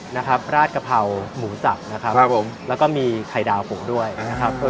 นะครับราดกะเพราหมูสับนะครับครับผมแล้วก็มีไข่ดาวปลูกด้วยนะครับ